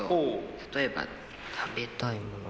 例えば食べたいものとか。